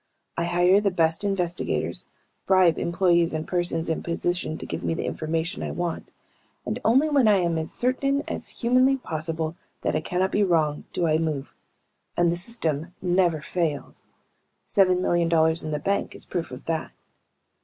I hire the best investigators, bribe employees and persons in position to give me the information I want, and only when I am as certain as humanly possible that I cannot be wrong do I move. And the system never fails. Seven million dollars in the bank is proof of that.